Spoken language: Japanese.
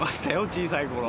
小さいころ。